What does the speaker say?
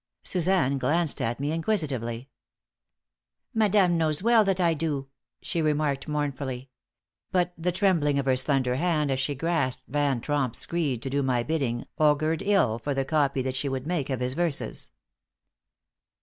Suzanne glanced at me, inquisitively. "Madame knows well that I do," she remarked, mournfully. But the trembling of her slender hand as she grasped Van Tromp's screed to do my bidding augured ill for the copy that she would make of his verses.